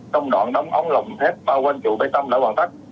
trong đoạn đóng ống lồng thép bao quanh trụ bê tông đã hoàn tất